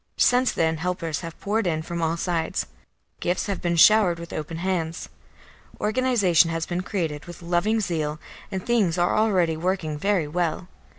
Since then helpers have poured in from all sides; gifts have been showered with open hands; organisation has been created with loving zeal, and things are already working very well.